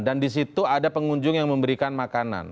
dan di situ ada pengunjung yang memberikan makanan